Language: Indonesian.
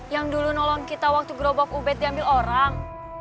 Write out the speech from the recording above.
yang dulu nolong kita waktu gerobok ubed diambil orang